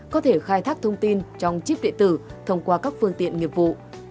có thể khai thác thông tin trong chip điện tử thông qua các phương tiện nghiệp vụ